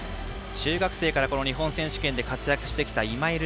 中学生から、この日本選手権で活躍してきた今井月。